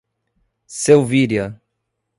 Selvíria